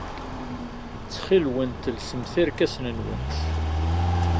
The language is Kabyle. Ttxil-went, lsemt irkasen-nwent.